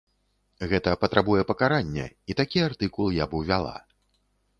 Гэта патрабуе пакарання, і такі артыкул я б увяла.